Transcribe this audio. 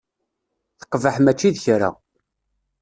Teqbeḥ mačči d kra.